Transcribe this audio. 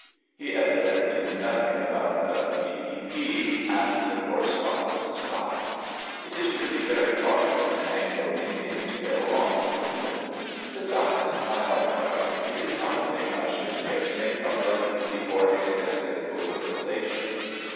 He evidently knew nothing about the V.P.P., and the correspondence stopped. It is really very hard for an Anglo Indian to get along in London. Besides, my autobiography is not a thing I should care to make public before extensive Bowdlerisation.